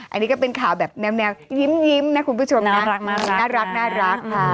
อันนี้ก็เป็นข่าวแบบแนวยิ้มนะคุณผู้ชมนะน่ารัก